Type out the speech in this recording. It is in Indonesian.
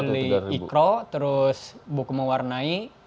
beli ikro terus buku mewarnai